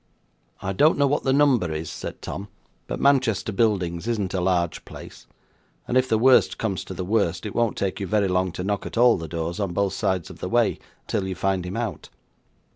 'I don't know what the number is,' said Tom; 'but Manchester Buildings isn't a large place; and if the worst comes to the worst it won't take you very long to knock at all the doors on both sides of the way till you find him out.